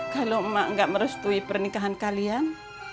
kalau emak nggak merestui pernikahan kalian